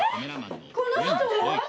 この人？え！？